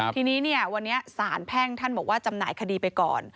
ทีนี้วันนี้สารแพ่งท่านบอกว่าจำหน่ายคดีไปก่อน